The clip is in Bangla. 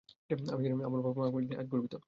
আমি জানি আমার বাবা-মা আমাকে নিয়ে আজ গর্বিত।